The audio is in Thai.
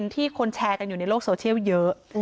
ที่คนแชร์กันอยู่ในโลกโซเชียลเยอะ